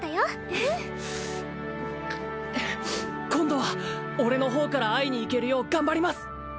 うん今度は俺の方から会いに行けるよう頑張ります！